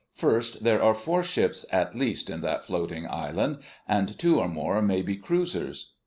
"First, there are four ships at least in that floating island, and two or more may be cruisers.